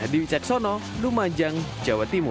durhadi wicaksono rumah jang jawa timur